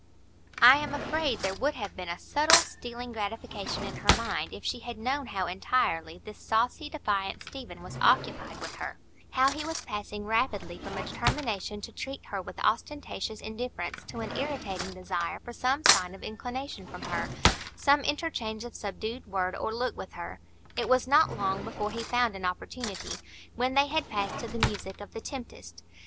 I am afraid there would have been a subtle, stealing gratification in her mind if she had known how entirely this saucy, defiant Stephen was occupied with her; how he was passing rapidly from a determination to treat her with ostentatious indifference to an irritating desire for some sign of inclination from her,—some interchange of subdued word or look with her. It was not long before he found an opportunity, when they had passed to the music of "The Tempest."